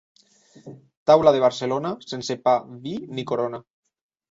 Taula de Barcelona, sense pa, vi, ni corona.